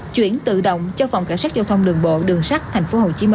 chuyển tự động cho phòng cảnh sát giao thông đường bộ đường sắt tp hcm